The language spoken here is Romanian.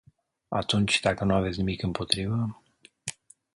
Atunci, dacă nu aveți nimic împotrivă...